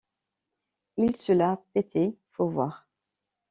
Ils se la pétaient, faut voir!